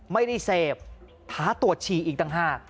ไม่ได้เสพท้าตรวจฉี่อีกต่างหาก